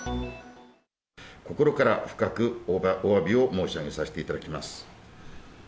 心から深くおわびを申し上げさせていただきます。